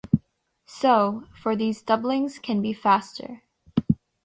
So, for these doublings can be faster.